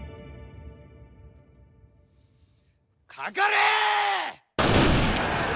かかれ！